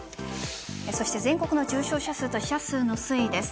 そして全国の重症者数と死者数の推移です。